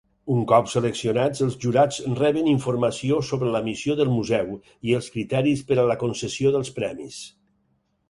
Un cop seleccionats, els jurats reben informació sobre la missió del museu i els criteris per a la concessió dels premis.